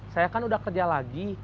saya kan udah kerja lagi